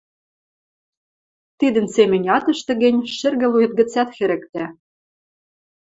Тидӹн семӹнь ат ӹштӹ гӹнь, шӹргӹлуэт гӹцӓт хӹрӹктӓ.